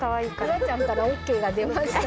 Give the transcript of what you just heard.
夕空ちゃんからＯＫが出ました。